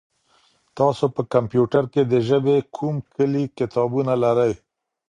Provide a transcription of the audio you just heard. تاسي په کمپیوټر کي د ژبې کوم کلي کتابونه لرئ؟